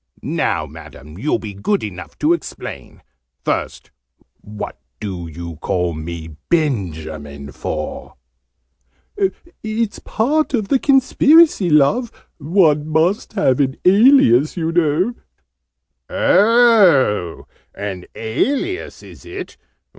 "Now, Madam, you'll be good enough to explain. First, what do you call me Benjamin for?" "It's part of the Conspiracy, Love! One must have an alias, you know " "Oh, an alias, is it?